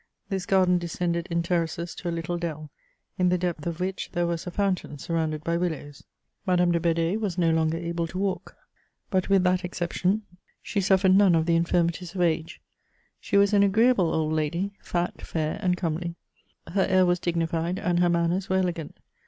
This garden descended in terraces to a Uttle dell, in the depth of which there was a fountain surrounded by willows. Madame de Bed^ was no longer able to walk, but with that exception she suffered none CHATEAUBRIAND. 59 of the infirmities of age. She was an agreeahle old lady, fat, Mr and comely ; her air was dignified and her manners were elegant.